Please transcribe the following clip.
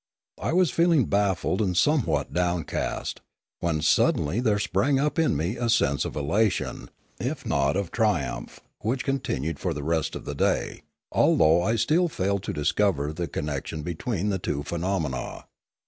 I was feeling baffled and somewhat downcast; when suddenly there sprang up in me a sense of elation, if not 304 Limanora of triumph, which continued for the rest of the day, al though I still failed to discover the connection between the two phenomena.